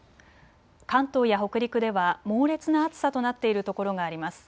関東や北陸では猛烈な暑さとなっているところがあります。